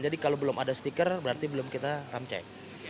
jadi kalau belum ada stiker berarti belum kita rem cek